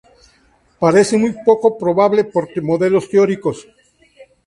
Parece muy poco probable por modelos teóricos.